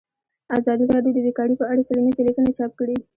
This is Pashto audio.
ازادي راډیو د بیکاري په اړه څېړنیزې لیکنې چاپ کړي.